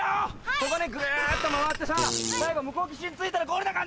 ・ここでグルっと回ってさ最後向こう岸に着いたらゴールだからね！